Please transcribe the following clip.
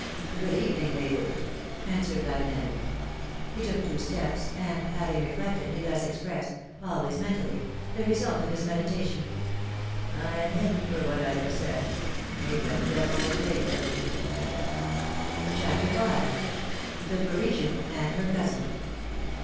Good evening, neighbor,^' answered Lavenel. He took two steps, and, having reflected, he thus expressed (always mentally) the result of his meditation: — am in for what I have said : may the devil take her PHILOMilNE's MAERIAGES. 61 CHAPTER V. ^^THE PARISIAN AND HER COUSIN.